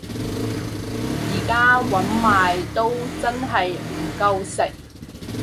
而家搵埋都真係唔夠食